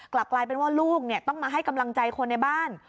กลับกลายเป็นว่าลูกต้องมาให้กำลังใจคนในบ้าน